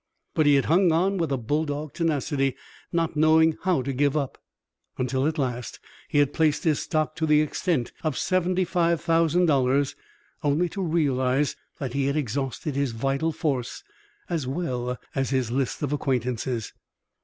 But he had hung on with bulldog tenacity, not knowing how to give up, until at last he had placed his stock to the extent of seventy five thousand dollars, only to realize that he had exhausted his vital force as well as his list of acquaintances.